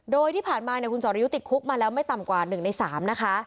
โดยที่ผ่านมาคุณสอรยุทธ์ติดคุกมาแล้วไม่ต่ำกว่า๑ใน๓นะคะ